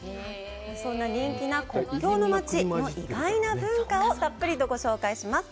そんな人気な国境の街の意外な文化をたっぷりとご紹介します。